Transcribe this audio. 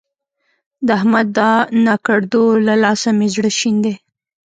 د احمد د ناکړدو له لاسه مې زړه شين دی.